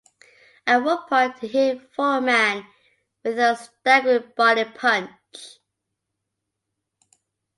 At one point he hit Foreman with a staggering body punch.